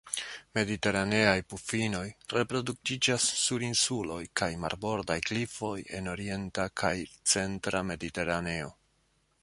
Mediteraneaj pufinoj reproduktiĝas sur insuloj kaj marbordaj klifoj en orienta kaj centra Mediteraneo.